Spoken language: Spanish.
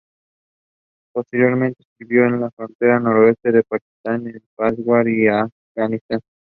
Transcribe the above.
Posteriormente, sirvió en la frontera noroeste con Pakistán, en Peshawar y en Afganistán.